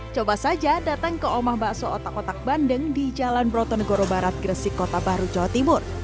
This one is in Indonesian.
coba saja datang ke omah bakso otak otak bandeng di jalan broto negoro barat gresik kota baru jawa timur